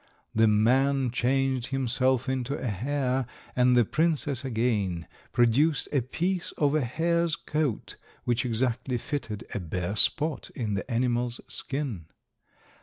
The man changed himself into a hare, and the princess again produced a piece of a hare's coat which exactly fitted a bare spot in the animal's skin.